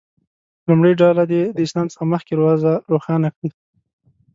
لومړۍ ډله دې د اسلام څخه مخکې وضع روښانه کړي.